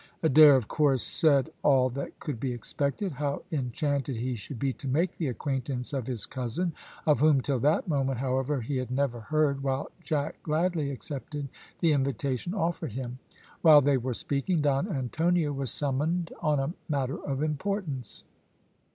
Adair, of course, said all that could be expected; how enchanted he should be to make the acquaintance of his cousin, of whom, till that moment, however, he had never heard, while Jack gladly accepted the invitation offered him. While they were speaking Don Antonio was summoned on a matter of importance.